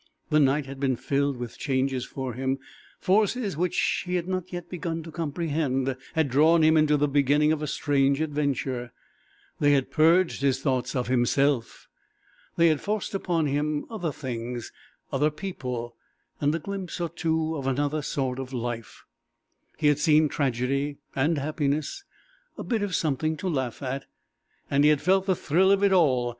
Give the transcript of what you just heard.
The night had been filled with changes for him; forces which he had not yet begun to comprehend had drawn him into the beginning of a strange adventure; they had purged his thoughts of himself; they had forced upon him other things, other people, and a glimpse or two of another sort of life; he had seen tragedy, and happiness a bit of something to laugh at; and he had felt the thrill of it all.